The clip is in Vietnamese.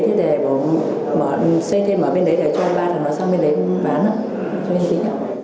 thế để xây thêm ở bên đấy để cho ba thằng đó sang bên đấy bán thuê thêm tí